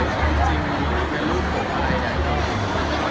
จริงมันเป็นรูปผมมันได้ใจกัน